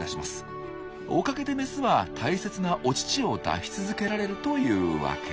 おかげでメスは大切なお乳を出し続けられるというワケ。